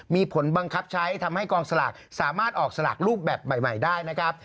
มีผลบังคับใช้ทำให้กองสลากสามารถออกสลากรูปแบบใหม่ได้นะครับ